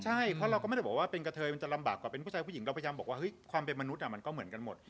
ใช่เพราะเราก็ไม่ได้บอกว่าเป็นกะเทยมันจะลำบากกว่าเป็นผู้ชายผู้หญิงเราพยายามบอกว่าเฮ้ยความเป็นมนุษย์มันก็เหมือนกันหมด